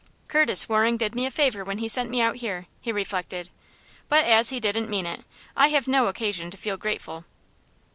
"Curtis Waring did me a favor when he sent me out here," he reflected; "but as he didn't mean it, I have no occasion to feel grateful."